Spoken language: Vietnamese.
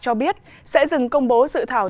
cho biết sẽ dừng công bố dự thảo